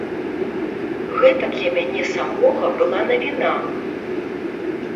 Гэта для мяне самога была навіна.